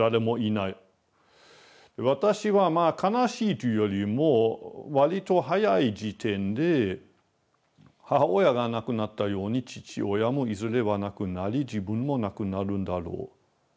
私はまあ悲しいというよりもわりと早い時点で母親が亡くなったように父親もいずれは亡くなり自分も亡くなるんだろう。